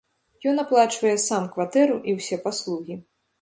Ён аплачвае сам кватэру і ўсе паслугі.